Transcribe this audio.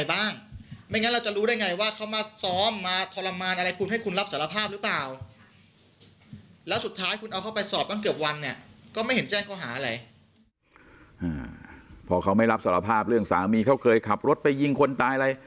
พอเขาไม่รับสารภาพเรื่องสามีเขาเคยขับรถไปยิงคนตายอะไร